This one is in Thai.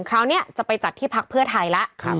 คราวนี้จะไปจัดที่พักเพื่อไทยแล้ว